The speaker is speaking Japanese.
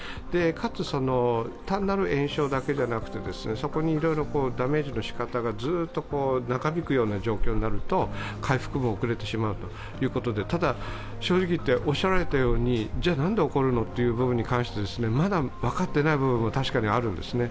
かつ、単なる炎症だけではなくて、そこにいろいろダメージの仕方がずっと長引くような状況になると回復も遅れてしまうということでただ正直いって、おっしゃられたようにじゃ何で起こるのか、まだ分かっていない部分も確かにあるんです。